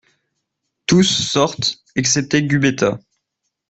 Tous sortent excepté Gubetta.